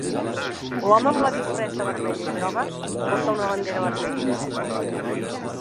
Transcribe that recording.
L'home amb la disfressa vermella i groga porta una bandera vermella.